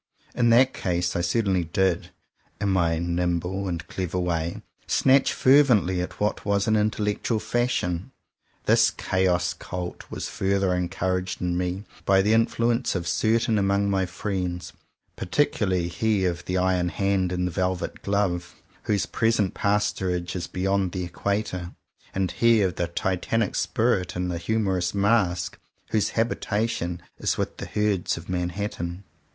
In that case, I certainly did, in my nimble and clever way, snatch fer vently at what was an intellectual fashion. This Chaos cult was further encouraged in me by the influence of certain among my friends; particularly he of the iron hand in the velvet glove, whose present pastorage is beyond the Equator, and he of the titanic spirit in the humorous mask, whose habitation is with the herds of Manhattan.